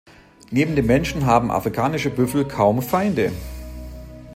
Neben dem Menschen haben Afrikanische Büffel kaum Feinde.